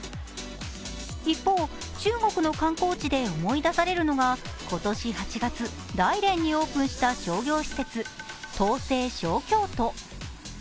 一方、中国の観光地で思い出されるのが今年８月、大連にオープンした商業施設、盛唐・小京都。